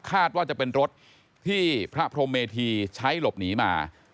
คาดว่าจะเป็นรถที่พระพรมเมธีใช้หลบหนีมา